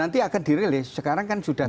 nanti akan dirilis sekarang kan sudah